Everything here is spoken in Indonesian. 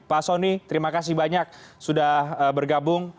pak soni terima kasih banyak sudah bergabung